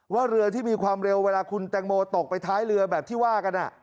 เรือที่มีความเร็วเวลาคุณแตงโมตกไปท้ายเรือแบบที่ว่ากัน